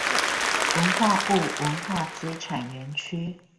文化部文化資產園區